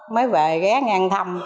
mới về ghé ngang thăm